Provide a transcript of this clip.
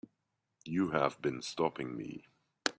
You have been stopping me.